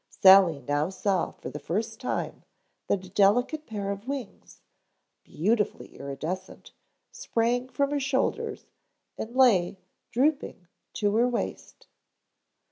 Sally now saw for the first time that a delicate pair of wings, beautifully irridescent, sprang from her shoulders and lay, drooping, to her waist.